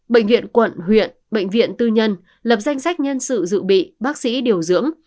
bệnh viện quận huyện bệnh viện tư nhân lập danh sách nhân sự dự bị bác sĩ điều dưỡng